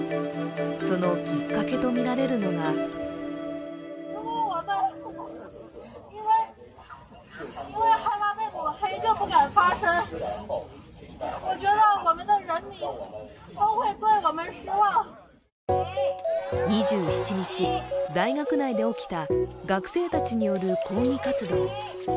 そのきっかけとみられるのが２７日、大学内で起きた学生たちによる抗議活動。